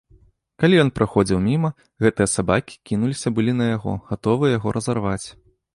Калі ён праходзіў міма, гэтыя сабакі кінуліся былі на яго, гатовыя яго разарваць.